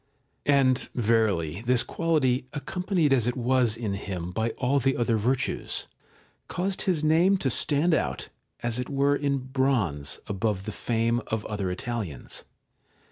And verily this quality, accompanied as it was in him by all the other virtues, caused his name to stand out, as it were in bronze, above the fame of other Italians.